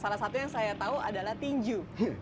salah satu yang saya tahu adalah tinju